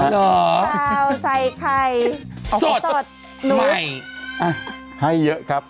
เหรอชาวไซไข่สดใหม่ให้เยอะครับ